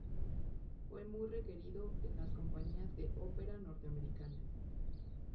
Fue muy requerido en las compañías de ópera norteamericanas.